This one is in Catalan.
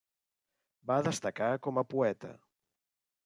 Va destacar com a poeta.